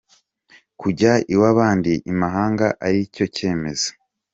Kujya iwabandi imahanga aricyo cyemezo.